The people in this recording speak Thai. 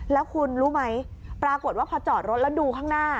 แล้วคุณรู้ไหมปรากฏว่าพอจอดรถแล้วดูข้างหน้า